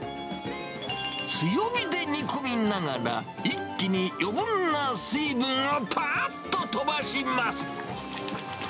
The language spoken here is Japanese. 強火で煮込みながら、一気に余分な水分をぱっと飛ばします。